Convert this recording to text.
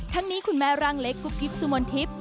นี้คุณแม่ร่างเล็กกุ๊กกิ๊บสุมนทิพย์